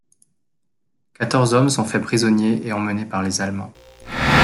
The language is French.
Quatorze hommes sont faits prisonniers et emmenés par les Allemands.